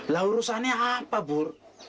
lalu urusannya apa bur